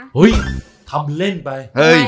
เฮ้ยทำเล่นไป